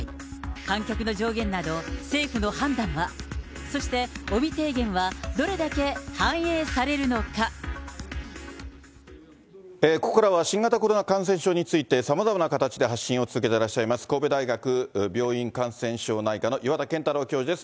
観客の上限など、政府の判断は、そして、尾身提言は、ここからは、新型コロナ感染症について、さまざまな形で発信を続けていらっしゃいます、神戸大学病院感染症内科の岩田健太郎教授です。